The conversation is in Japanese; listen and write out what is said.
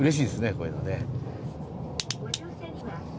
こういうのね。